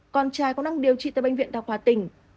con trai cũng đang điều trị tại bệnh viện đào hòa tỉnh